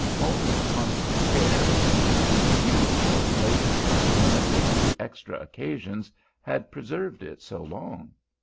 Only constant care, and use of late years limited to extra occasions, had preserved it so long.